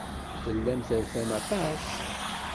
Tellam terfam aṭas.